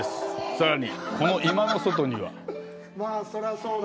さらに、この居間の外には。